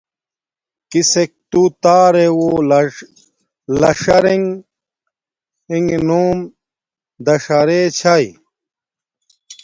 کسک تو تارے وہ لݽر رنݣ نوم داݽا رے چھاݵ۔